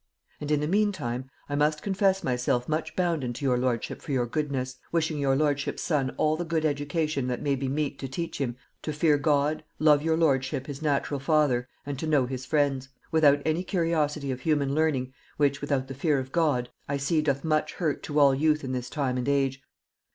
And, in the meantime, I must confess myself much bounden to your lordship for your goodness; wishing your lordship's son all the good education that may be mete to teach him to fear God, love your lordship his natural father, and to know his friends; without any curiosity of human learning, which, without the fear of God, I see doth much hurt to all youth in this time and age.